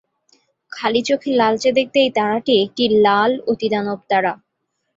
খালি চোখে লালচে দেখতে এই তারাটি একটি লাল অতিদানবতারা।